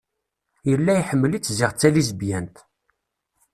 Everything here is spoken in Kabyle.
Yella iḥemmel-itt ziɣ d talisbyant.